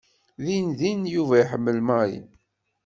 Dindin Yuba iḥemmel Mary.